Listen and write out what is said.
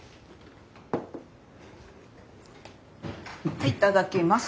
はいいただきます。